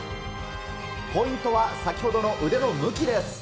ポイントは、先ほどの腕の向きです。